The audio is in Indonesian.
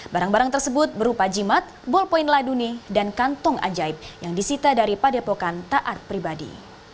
barang barang tersebut berupa jimat ballpoint laduni dan kantong ajaib yang disita dari padepokan taat pribadi